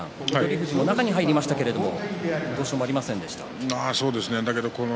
富士も中に入りましたけれどもどうしようもありませんでした。